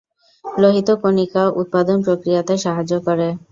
লোহিত কণিকা উৎপাদন প্রক্রিয়াতে সাহায্য করে।